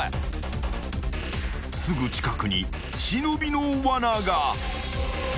［すぐ近くに忍のわなが］